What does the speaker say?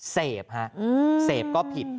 เสพฮะเสพก็ผิด